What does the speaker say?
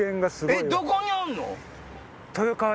えっどこにおんの？